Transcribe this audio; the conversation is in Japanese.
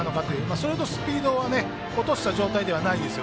それほどスピードを落とした状態ではないです。